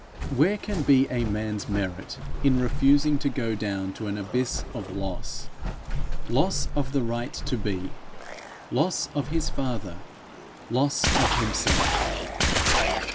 Where can be a man's merit in refusing to go down to an abyss of loss loss of the right to be, loss of his father, loss of himself?